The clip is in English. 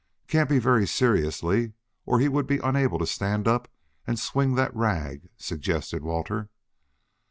"Can't be very seriously or he would be unable to stand up and swing that rag," suggested Walter.